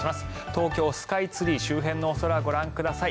東京スカイツリー周辺のお空ご覧ください。